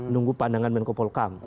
nunggu pandangan menko polkam